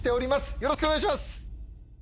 よろしくお願いします！